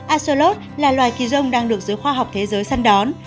asolot là loài kỳ rông đang được giới khoa học thế giới săn đón